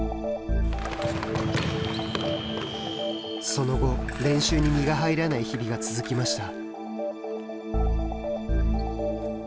その後、練習に身が入らない日々が続きました。